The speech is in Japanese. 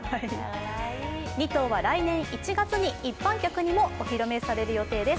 ２頭は、来年１月に一般客にもお披露目される予定です。